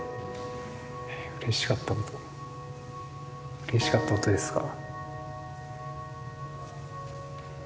えうれしかったことうれしかったことですか。